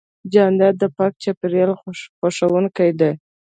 جانداد د پاک چاپېریال خوښوونکی دی.